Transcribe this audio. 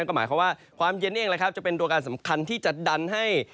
ก็หมายความเย็นเองนะครับจะเป็นตัวการสำคัญที่จะดันให้